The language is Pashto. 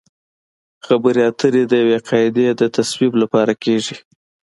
خبرې اترې د یوې قاعدې د تصویب لپاره کیږي